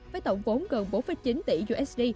với tổng vốn gần bốn chín tỷ usd